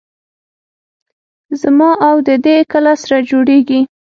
زما او د دې کله سره جوړېږي.